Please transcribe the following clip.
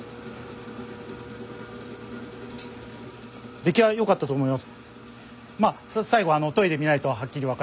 出来は良かったと思います。